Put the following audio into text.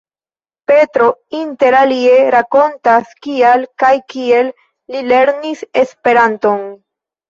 Petro inter alie rakontas kial kaj kiel li lernis Esperanton.